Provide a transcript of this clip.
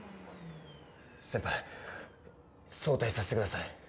先輩早退させてください！